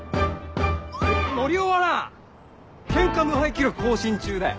森生はなケンカ無敗記録更新中だよ。